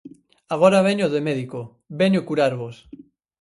Agora veño de médico, veño curarvos.